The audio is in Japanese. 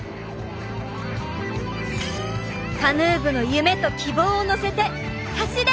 カヌー部の夢と希望を乗せて走れ！